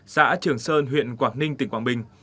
xã trường sơn huyện quảng ninh tỉnh quảng bình